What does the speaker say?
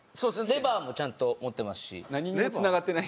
レバーもちゃんと持ってますし。